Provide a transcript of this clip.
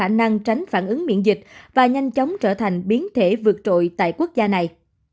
đây là một số khả năng tránh phản ứng miễn dịch và nhanh chóng trở thành biến thể vượt trội tại quốc gia này